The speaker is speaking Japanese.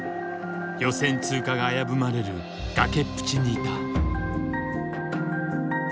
予選通過が危ぶまれる崖っぷちにいた。